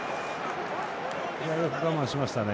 よく我慢しましたね